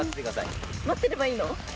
待ってればいいの？